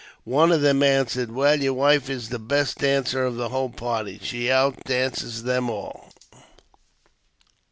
One of them answered, " Well, your wife is the best dancer of the whole party; she out dances them all."